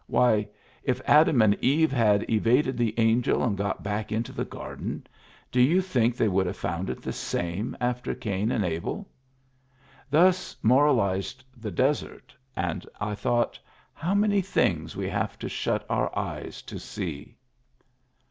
Why, if Adam and Eve had evaded the angel and got back into the garden, do you think they would have found it the same after Cain and Abel? Thus moralized the desert, and I thought, How many things we have to shut our eyes to see